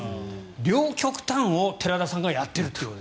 両極端を寺田さんがやっている。